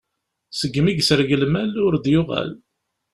Segmi yesreg lmal, ur d-yuɣal.